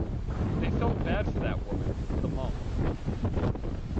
They felt bad for that woman, the mom.